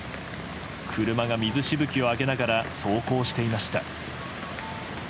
車が水しぶきをあげながら走行していました。